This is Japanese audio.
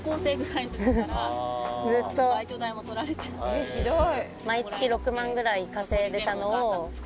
えっひどい！